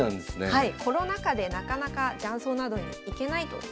はい。